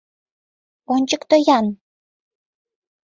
Ончыкто-ян!